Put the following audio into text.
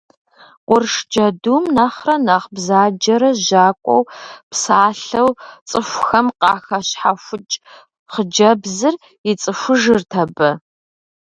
Къурш джэдум нэхърэ нэхъ бзаджэрэ жьакӏуэу псалъэу цӏыхухэм къахэщхьэхукӏ хъыджэбзыр ицӏыхужырт абы.